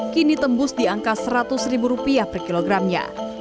kini tembus di angka rp seratus per kilogramnya